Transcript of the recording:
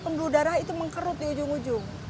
pembuluh darah itu mengkerut di ujung ujung